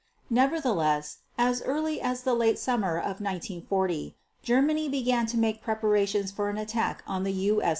Nevertheless, as early as the late summer of 1940, Germany began to make preparations for an attack on the U.